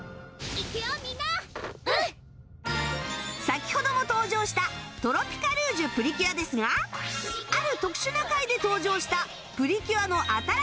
先ほども登場した『トロピカルジュ！プリキュア』ですがある特殊な回で登場したプリキュアの新しい技が話題に